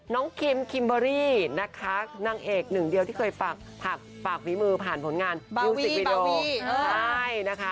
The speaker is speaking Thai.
น้องคิมกิมเบอร์รี่นางเอกหนึ่งเดียวที่เคยปกผลิมือผ่านผลงานบาวี